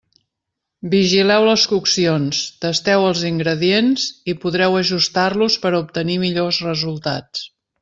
Vigileu les coccions, tasteu els ingredients i podreu ajustar-los per a obtenir millors resultats.